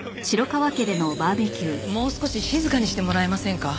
もう少し静かにしてもらえませんか？